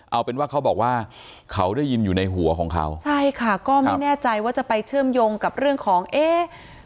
เอาเป็นว่าเขาบอกว่าเขาได้ยินอยู่ในหัวของเขาใช่ค่ะก็ไม่แน่ใจว่าจะไปเชื่อมโยงกับเรื่องของเอ๊ะ